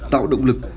tạo động lực